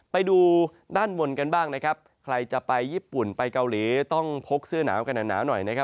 ไปดูด้านบนกันบ้างนะครับใครจะไปญี่ปุ่นไปเกาหลีต้องพกเสื้อหนาวกันหนาวหน่อยนะครับ